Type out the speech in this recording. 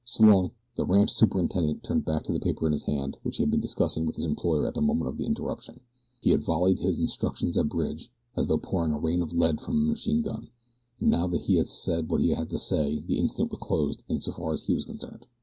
S'long!" The ranch superintendent turned back to the paper in his hand which he had been discussing with his employer at the moment of the interruption. He had volleyed his instructions at Bridge as though pouring a rain of lead from a machine gun, and now that he had said what he had to say the incident was closed in so far as he was concerned.